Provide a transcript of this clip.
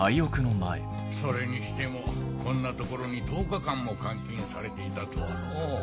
それにしてもこんな所に１０日間も監禁されていたとはのぉ。